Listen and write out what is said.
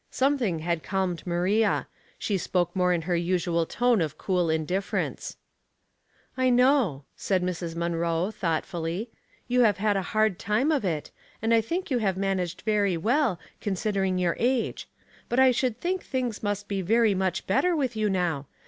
Something had calmed Maria. She spoke more in her usual tone of cool indif ference. "I know," said Mrs. Munroe, thoughtfully. " You have had a hard time of it, and 1 thina: you have managed very well, considering yovr age ; but I should think things must be very much better with you now.